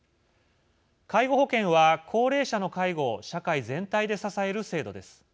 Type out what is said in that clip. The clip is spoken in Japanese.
介護保険は高齢者の介護を社会全体で支える制度です。